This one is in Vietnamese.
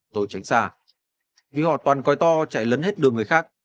tôi tránh xa vì họ toàn coi to chạy lấn hết đường người khác